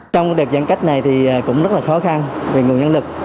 trong đợt giãn cách này thì cũng rất là khó khăn về nguồn nhân lực